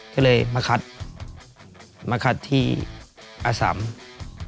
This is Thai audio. ก็เลยมาคัดมาคัดที่อสัมศรีชา